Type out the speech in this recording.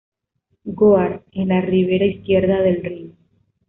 Goar, en la ribera izquierda del Rin.